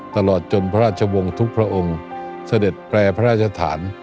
ตลอดจนพระราชวงศ์ทุกพระองค์เสด็จแปรพระราชฐาน